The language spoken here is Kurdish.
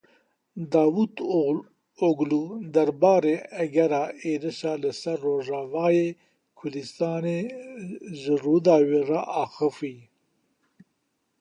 Davutoglu derbarê egera êrişa li ser Rojavayê Kurdistanê ji Rûdawê re axivî.